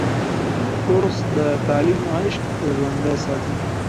کورس د تعلیم عشق ژوندی ساتي.